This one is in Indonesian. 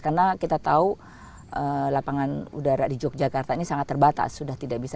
karena kita tahu lapangan udara di yogyakarta ini sangat terbatas sudah tidak bisa